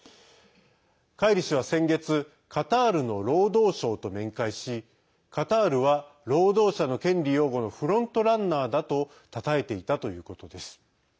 カイリ氏は先月カタールの労働相と面会しカタールは労働者の権利擁護のフロントランナーだとたたえていたということです。